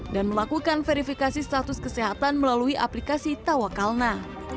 dan melakukan verifikasi status kesehatan melalui aplikasi tawakalna